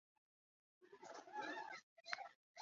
旨在部长级毕业于山东农业大学蔬菜专业。